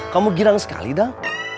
kamu girang sekali dah